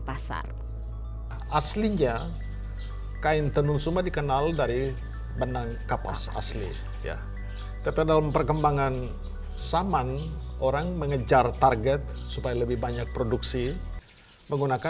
karena kita mau hidup dari budaya